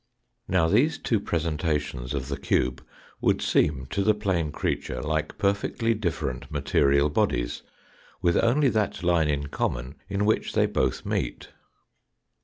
Now these two presentations of the cube would seem, to the plane creature like perfectly different material bodies, with only that line in common in which they both meet.